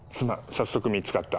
早速見つかった。